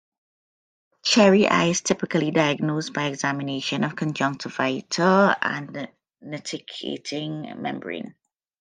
Cherry eye is typically diagnosed by examination of the conjunctiva and nictitating membrane.